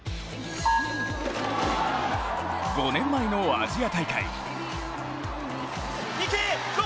５年前のアジア大会。